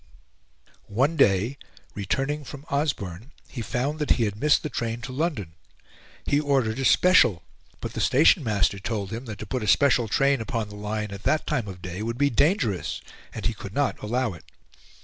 One day, returning from Osborne, he found that he had missed the train to London; he ordered a special, but the station master told him that to put a special train upon the line at that time of day would be dangerous and he could not allow it.